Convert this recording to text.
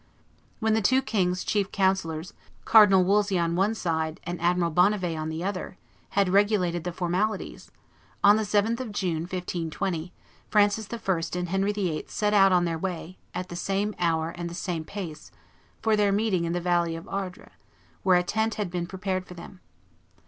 When the two kings' two chief councillors, Cardinal Wolsey on one side and Admiral Bonnivet on the other, had regulated the formalities, on the 7th of June, 1520, Francis I. and Henry VIII. set out on their way, at the same hour and the same pace, for their meeting in the valley of Ardres, where a tent had been prepared for them.